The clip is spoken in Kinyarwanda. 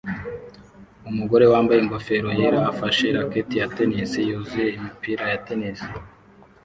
Umugore wambaye ingofero yera afashe racket ya tennis yuzuye imipira ya tennis